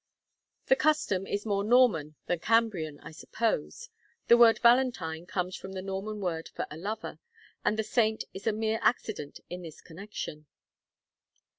The custom is more Norman than Cambrian, I suppose; the word Valentine comes from the Norman word for a lover, and the saint is a mere accident in this connection.